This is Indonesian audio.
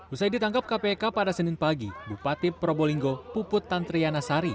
usai ditangkap kpk pada senin pagi bupati probolinggo puput tantriana sari